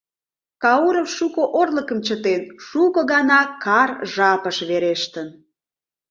Кауров шуко орлыкым чытен, шуко гана кар жапыш верештын.